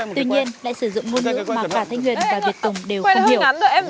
tuy nhiên lại sử dụng ngôn ngữ mà cả thanh huyền và việt tùng đều không hiểu